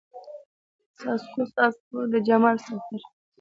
د څاڅکو، څاڅکو د جمال سفر